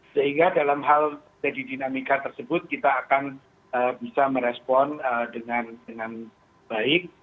sehingga dalam hal jadi dinamika tersebut kita akan bisa merespon dengan baik